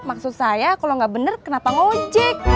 maksud saya kalo engga bener kenapa ngojek